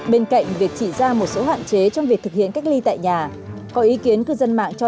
bên cạnh việc chỉ ra một số hạn chế trong việc thực hiện cách ly tại nhà có ý kiến cư dân mạng cho